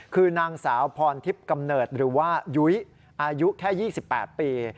คือนางสาวพรทิพย์กำเนิดหรือว่ายุ้ยอายุแค่๒๘ปี